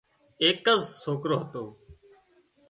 ايڪز سوڪرو هتو